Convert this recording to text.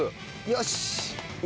よし！